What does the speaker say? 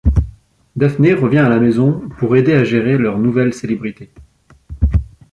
Daphne revient à la maison pour aider à gérer leur nouvelle célébrité.